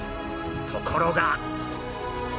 ところが。